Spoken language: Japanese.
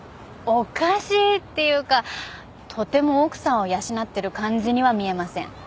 おかしいっていうかとても奥さんを養ってる感じには見えません。